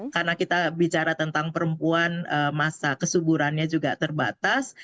karena kita bicara tentang perempuan masa kesuburannya juga terbatas